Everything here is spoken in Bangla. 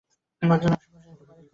গঞ্জালো আশপাশে একটি বাড়ির খোঁজ করে।